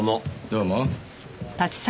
どうも。